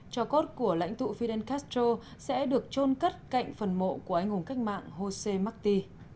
cho cốt của lãnh tụ fidel castro sẽ được trôn cất cạnh phần mộ của anh hùng cách mạng jose marti